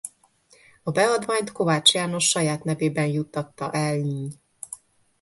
A beadványt Kovács János saját nevében juttatta el Ny.